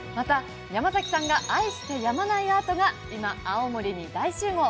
また、ヤマザキさんが愛してやまないアートが今青森に大集合。